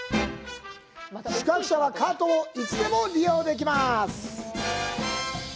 宿泊者はカートをいつでも利用できます。